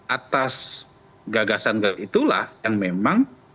atas gagasan itu lah yang memang